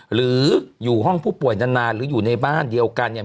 หรืออยู่ห้องผู้ป่วยนานหรืออยู่ในบ้านเดียวกันเนี่ย